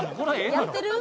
やってる？